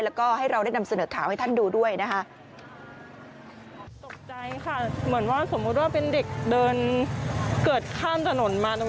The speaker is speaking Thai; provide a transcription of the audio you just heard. แล้วก็ให้เราได้นำเสนอข่าวให้ท่านดูด้วยนะคะ